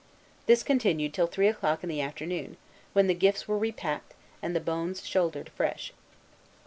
This continued till three o'clock in the afternoon, when the gifts were repacked, and the bones shouldered afresh.